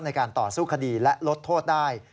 ในการต่อสู้คดีและลดโทษได้